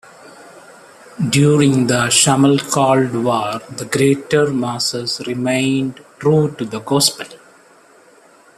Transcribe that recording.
During the Schmalkald War the greater masses remained true to the Gospel.